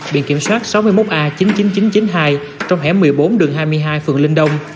biển kiểm soát sáu mươi một a chín mươi chín nghìn chín trăm chín mươi hai trong hẻm một mươi bốn đường hai mươi hai phường linh đông